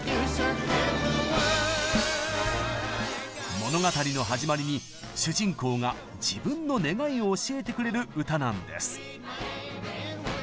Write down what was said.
物語の始まりに主人公が自分の願いを教えてくれる「歌」なんです。